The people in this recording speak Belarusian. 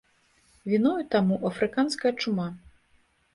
Віною таму афрыканская чума.